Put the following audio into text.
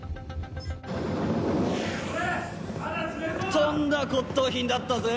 とんだ骨董品だったぜ。